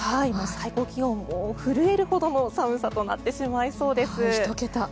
最高気温も震えるほどの寒さとなってしまいそうです。